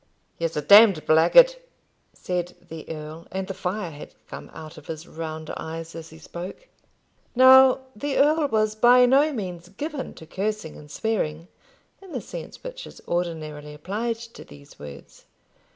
"He is a damned blackguard," said the earl, and the fire had come out of his round eyes as he spoke. Now the earl was by no means given to cursing and swearing, in the sense which is ordinarily applied to these words.